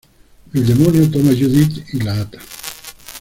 El demonio toma a Judith y la ata.